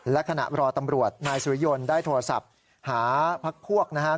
และขณะรอตำรวจนายสุริยนต์ได้โทรศัพท์หาพักพวกนะครับ